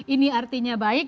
ini artinya baik